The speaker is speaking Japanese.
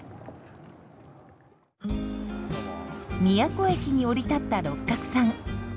宮古駅に降り立った六角さん。